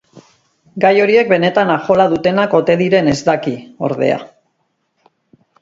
Gai horiek benetan ajola dutenak ote diren ez daki, ordea.